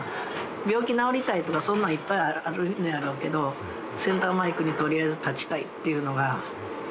病気治りたいとかそんなんいっぱいあるんやろうけどセンターマイクに取りあえず立ちたいっていうのが。